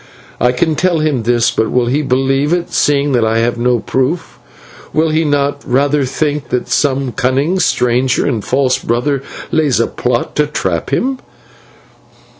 "'I can tell him this, but will he believe it, seeing that I have no proof? Will he not rather think that some cunning stranger and false brother lays a plot to trap him?